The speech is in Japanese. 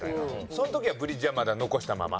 その時はブリッジはまだ残したまま？